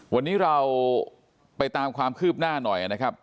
วันนี้เราไปตามความคืบหน้าหน่อยนะครับ